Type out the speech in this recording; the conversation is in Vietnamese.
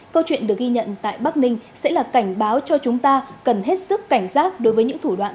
câu chuyện được ghi nhận tại bắc ninh sẽ là cảnh báo cho chúng ta cần hết sức cảnh giác đối với những thủ đoạn